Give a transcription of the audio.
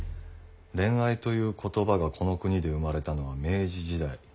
恋愛という言葉がこの国で生まれたのは明治時代。